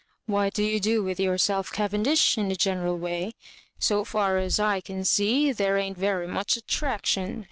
What do you do with yourselfj Cavendish, in a general way ? So far as I can see, there ain't very much attraction.